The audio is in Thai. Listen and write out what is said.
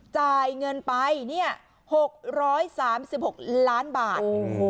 จ่ายเงินไป๖๓๖ล้านบาท